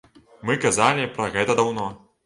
Мы казалі пра гэта даўно.